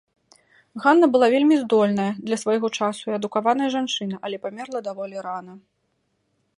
Ганна была вельмі здольная, для свайго часу і адукаваная жанчына, але памерла даволі рана.